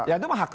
ya itu mah hak